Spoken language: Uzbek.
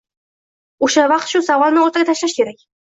o‘sha vaqt shu savolni o‘rtaga tashlash kerak.